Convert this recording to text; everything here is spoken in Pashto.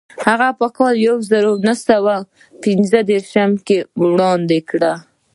هغه په کال یو زر نهه سوه پنځه دېرش کې وړاندې کړه.